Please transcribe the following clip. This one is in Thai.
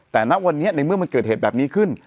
แต่ณวันนี้ในเมื่อมันเกิดเหตุแบบนี้ขึ้น